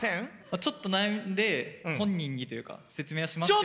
ちょっと悩んで本人にというか説明はしますけど。